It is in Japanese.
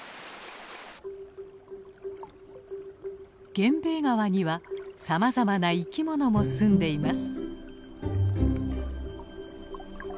源兵衛川にはさまざまな生きものも住んでいます。